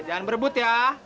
jangan berebut ya